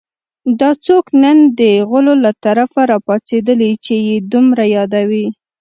دا څوک نن د غولو له طرفه راپاڅېدلي چې یې دومره یادوي